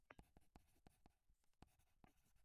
tomogʻiga shoʻr bir narsa tiqilganday boʻldi.